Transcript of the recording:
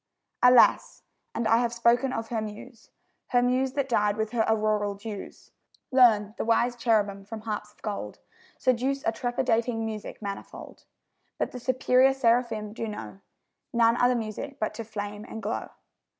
Alas, and I have spoken of her Muse Her Muse, that died with her auroral dews! Learn, the wise cherubim from harps of gold Seduce a trepidating music manifold; But the superior seraphim do know None other music but to flame and glow.